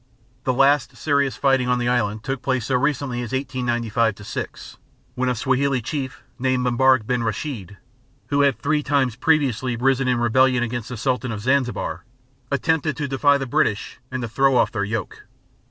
The last serious fighting on the island took place so recently as 1895 6, when a Swahili chief named M'baruk bin Rashed, who had three times previously risen in rebellion against the Sultan of Zanzibar, attempted to defy the British and to throw off their yoke.